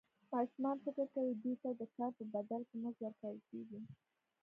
ماشومان فکر کوي دوی ته د کار په بدل کې مزد ورکول کېږي.